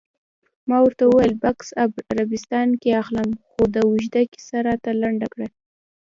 ما ورته وویل: بکس عربستان کې اخلم، خو دا اوږده کیسه راته لنډه کړه.